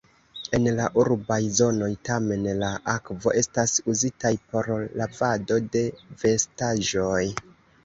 En la urbaj zonoj tamen la akvo estas uzitaj por lavado de vestaĵoj.